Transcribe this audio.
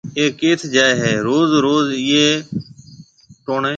اَي ڪيٿ جائي هيَ روز روز ايئي ٽوڻيَ